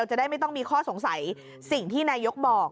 จะได้ไม่ต้องมีข้อสงสัย